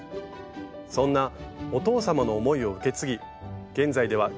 そんなお父様の思いを受け継ぎ現在では教室も開催。